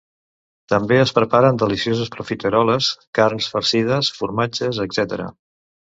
També es preparen delicioses profiteroles, carns farcides, formatges, etc.